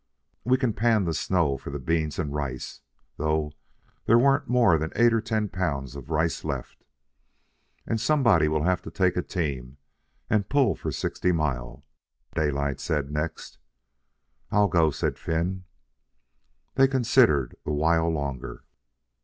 "We can pan the snow for the beans and rice... though there wa'n't more'n eight or ten pounds of rice left." "And somebody will have to take a team and pull for Sixty Mile," Daylight said next. "I'll go," said Finn. They considered a while longer.